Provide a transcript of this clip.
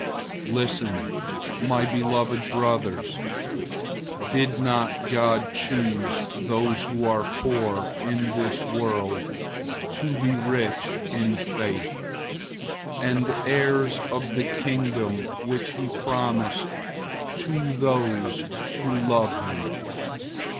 002:005 Listen, my beloved brothers. Didn't God choose those who are poor in this world to be rich in faith, and heirs of the Kingdom which he promised to those who love him?